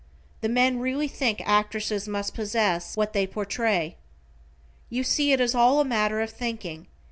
The men really think actresses must possess what they portray. You see, it is all a matter of thinking.